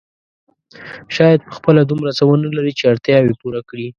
شاید په خپله دومره څه ونه لري چې اړتیاوې پوره کړي.